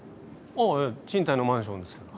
ええ賃貸のマンションですけど。